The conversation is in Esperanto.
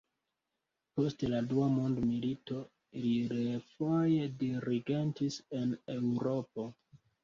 Post la dua mondmilito, li refoje dirigentis en Eŭropo.